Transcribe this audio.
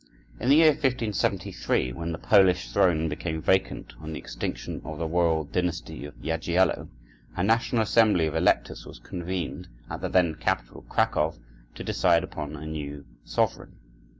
In the year 1573, when the Polish throne became vacant on the extinction of the royal dynasty of Jagiello, a national assembly of electors was convened at the then capital, Cracow, to decide upon a new sovereign.